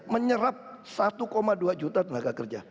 menyerap satu dua juta tenaga kerja